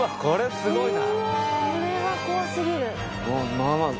すごいな。